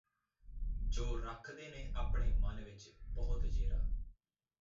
ਜੋ ਰੱਖਦੇ ਨੇ ਆਪਣੇ ਮਨ ਵਿੱਚ ਬਹੁਤ ਜ਼ੇਰਾ